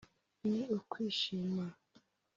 ni ukwishima